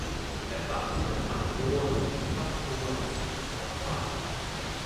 และฝากเนื้อฝากตัวกับครอบครัวของทั้งสองฝ่าย